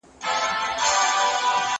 زه مخکي د کتابتون د کار مرسته کړې وه!!